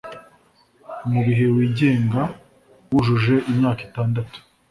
mugihe wigenga, wujuje imyaka itandatu